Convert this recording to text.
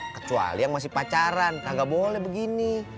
kecuali yang masih pacaran nggak boleh begini